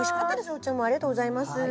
お茶もありがとうございます。